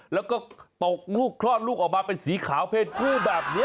แล้วก็ตกลูกคลอดลูกออกมาเป็นสีขาวเพศผู้แบบนี้